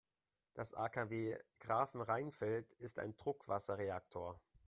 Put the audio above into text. Das AKW Grafenrheinfeld ist ein Druckwasserreaktor.